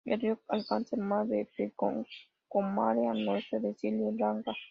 El río alcanza el mar en Trincomalee, al noreste de Sri Lanka.